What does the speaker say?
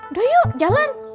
udah yuk jalan